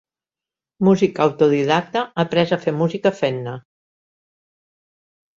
Músic autodidacte, ha après a fer música fent-ne.